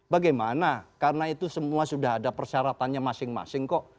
bagaimana karena itu semua sudah ada persyaratannya masing masing kok